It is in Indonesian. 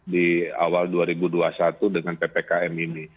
di awal dua ribu dua puluh satu dengan ppkm ini